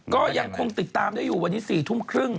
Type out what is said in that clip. ก็ยังคงติดตามได้อยู่วันนี้๔ทุ่มครึ่ง